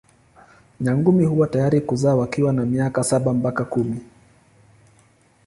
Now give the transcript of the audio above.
Nyangumi huwa tayari kuzaa wakiwa na miaka saba mpaka kumi.